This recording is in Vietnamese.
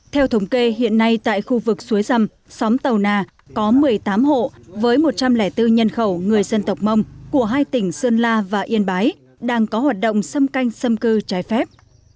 theo thống kê hiện nay tại khu vực suối rầm xóm tàu nà có một mươi tám hộ với một trăm linh bốn nhân khẩu người dân tộc mông của hai tỉnh sơn la và yên bái đang có hoạt động xâm canh xâm cư trái phép